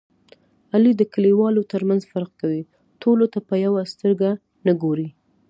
علي د کلیوالو ترمنځ فرق کوي. ټولو ته په یوه سترګه نه ګوري.